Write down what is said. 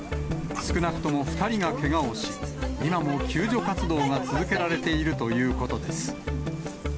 少なくとも２人がけがをし、今も救助活動が続けられているということです。